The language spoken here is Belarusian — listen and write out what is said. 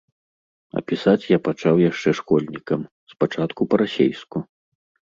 А пісаць я пачаў яшчэ школьнікам, спачатку па-расейску.